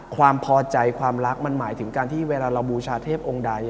ความพอใจความรักมันหมายถึงการที่เวลาเราบูชาเทพองค์ใด